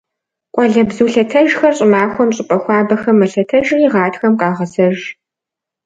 Къуалэбзу лъэтэжхэр щӀымахуэм щӀыпӀэ хуабэхэм мэлъэтэжри гъатхэм къагъэзэж.